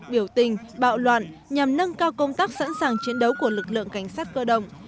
biểu tình bạo loạn nhằm nâng cao công tác sẵn sàng chiến đấu của lực lượng cảnh sát cơ động